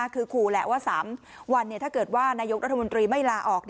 คือคู่แหละว่า๓วันถ้าเกิดว่านายกรัฐมนตรีไม่ลาออก